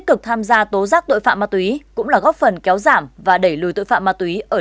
khiến cho em đầy